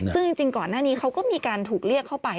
ซึ่งจริงก่อนหน้านี้เขาก็มีการถูกเรียกเข้าไป